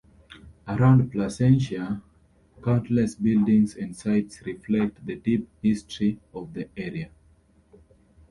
Around Placentia, countless buildings and sites reflect the deep history of the area.